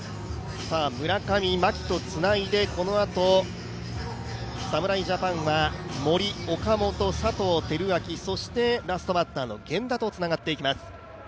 村上、牧とつないで、このあと侍ジャパンは森、岡本、佐藤輝明、そしてラストバッターの源田とつながっていきます。